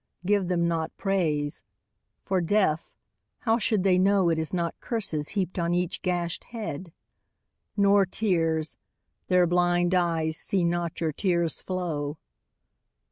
Give them not praise. For, deaf, how should they know It is not curses heaped on each gashed head ? Nor tears. Their blind eyes see not your tears flow.